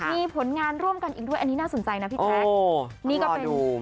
มีผลงานร่วมกันอีกด้วยอันนี้น่าสนใจนะพี่แจ๊คนี่ก็เป็น